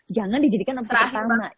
jangan dijadikan opsi pertama